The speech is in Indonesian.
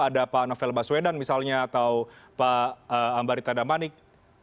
ada pak novel baswedan misalnya atau pak ambaritada manik